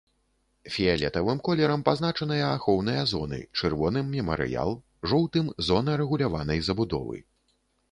Фіялетавым колерам пазначаныя ахоўныя зоны, чырвоным мемарыял, жоўтым зона рэгуляванай забудовы.